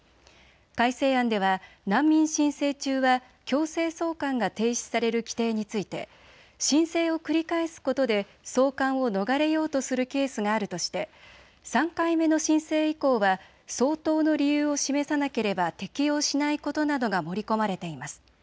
改正案では難民申請中は強制送還が停止される規定について申請を繰り返すことで送還を逃れようとするケースがあるとして３回目の申請以降は相当の理由を示さなければ適用しないことなどが盛り込まれています。